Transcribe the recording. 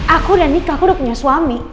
aku udah nikah aku udah punya suami